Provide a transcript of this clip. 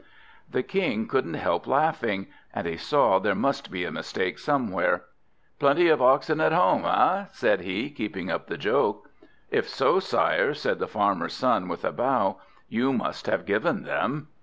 The King couldn't help laughing; and he saw there must be a mistake somewhere. "Plenty of oxen at home, eh!" said he, keeping up the joke. "If so, Sire," said the Farmer's son with a bow, "you must have given them."